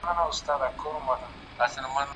میاشت او دوې وروسته یې روح والووت له تنه